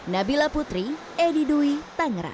nabila putri edi dwi tangerang